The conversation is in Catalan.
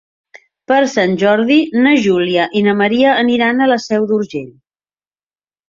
Per Sant Jordi na Júlia i na Maria aniran a la Seu d'Urgell.